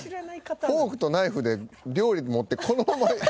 フォークとナイフで料理持ってこのままで。